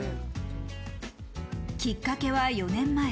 きっかけは４年前。